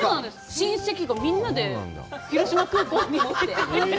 親戚がみんなで広島空港に。